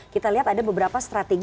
kita lihat ada beberapa strategi